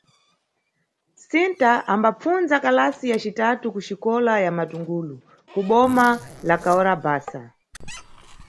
Sinta ambapfundza kalasi ya citatu kuxikola ya Matungulu, kuboma la Kahora Bhasa.